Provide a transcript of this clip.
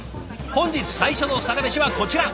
本日最初のサラメシはこちら。